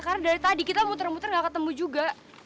karena dari tadi kita muter muter gak ketemu juga